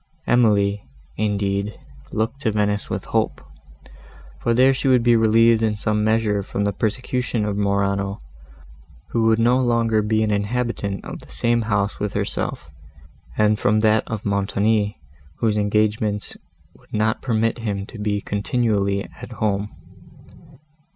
Emily, indeed, looked to Venice with hope, for there she would be relieved in some measure from the persecution of Morano, who would no longer be an inhabitant of the same house with herself, and from that of Montoni, whose engagements would not permit him to be continually at home.